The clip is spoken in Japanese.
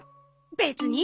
別に。